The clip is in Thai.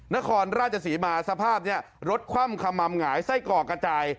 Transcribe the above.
นครราชสีมาสภาพเนี้ยรถคว่ำคำมำหายไส้กอกกระจาย